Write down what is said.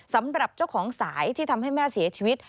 สำหรับเจ้าของสายที่ทำให้แม่เสียชีวิต